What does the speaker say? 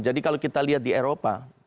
jadi kalau kita lihat di eropa